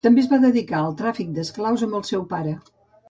També es va dedicar al tràfic d'esclaus amb el seu pare.